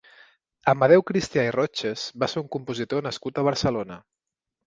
Amadeu Cristià i Rotches va ser un compositor nascut a Barcelona.